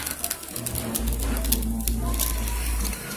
اظهارات پر مغز استاد